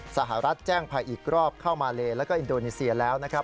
สหรัฐแจ้งภายอีกรอบเข้ามาเลแล้วก็อินโดนีเซียแล้วนะครับ